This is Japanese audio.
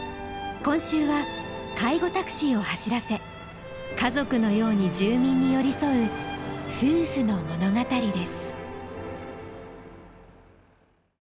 今週は介護タクシーを走らせ家族のように住民に寄り添う夫婦の物語です。